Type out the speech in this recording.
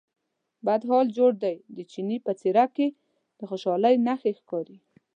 بد حال جوړ دی، د چیني په څېره کې د خوشالۍ نښې ښکارې.